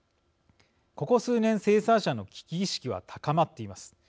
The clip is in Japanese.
ここ数年、生産者の危機意識は高まっています。